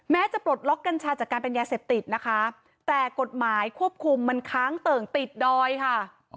จะปลดล็อกกัญชาจากการเป็นยาเสพติดนะคะแต่กฎหมายควบคุมมันค้างเติ่งติดดอยค่ะ